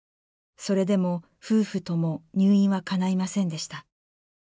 それでも夫婦とも入院はかないませんでした。